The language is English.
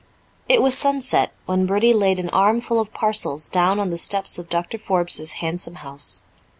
It was sunset when Bertie laid an armful of parcels down on the steps of Doctor Forbes's handsome house.